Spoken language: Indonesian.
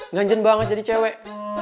nganjen banget jadi cewek